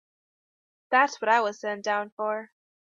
That's what I was sent down for.